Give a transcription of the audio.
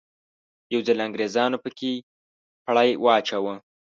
یو ځل انګریزانو په کې پړی واچاوه.